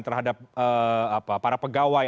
terhadap para pegawai